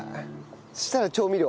そしたら調味料。